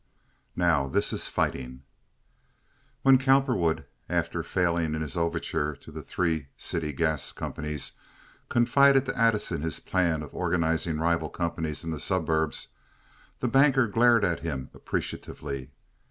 Now This is Fighting When Cowperwood, after failing in his overtures to the three city gas companies, confided to Addison his plan of organizing rival companies in the suburbs, the banker glared at him appreciatively.